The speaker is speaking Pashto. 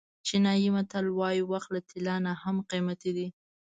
چینایي متل وایي وخت له طلا نه هم قیمتي دی.